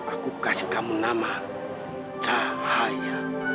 aku kasih kamu nama cahaya